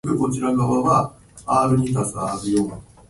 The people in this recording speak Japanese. ブランコ乗りたい